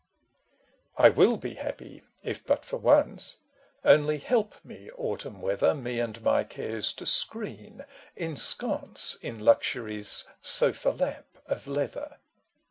I WILL be happy if but for once : Only help me, Autumn weather, Me and my cares to screen, ensconce In luxury's sofa lap of leather